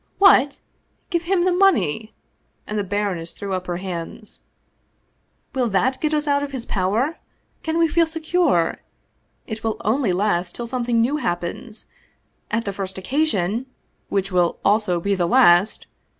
" What ! give him the money !" and the baroness threw up her hands. "Will that get us out of his power? Can we feel secure? It will only last till something new hap pens. At the first occasion " "Which will also be the last!"